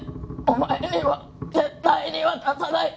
お前には絶対に渡さない」。